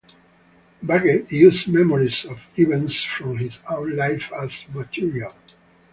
Bagge used memories of events from his own life as material.